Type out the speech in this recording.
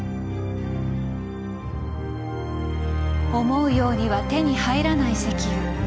思うようには手に入らない石油。